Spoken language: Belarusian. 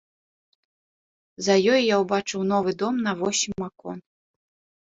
За ёй я ўбачыў новы дом на восем акон.